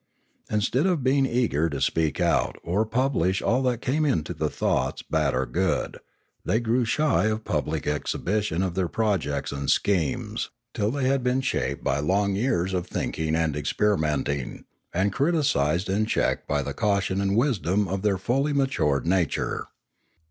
Instead of being eager to speak out or publish all that came into the thoughts, bad or good, they grew shy of public exhibition of their projects and schemes till they had been shaped by long years of 460 Limanora thinking and experimenting, and criticised and checked by the caution and wisdom of their fully matured nature.